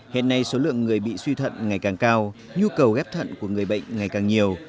hiện nay số lượng người bị suy thận ngày càng cao nhu cầu ghép thận của người bệnh ngày càng nhiều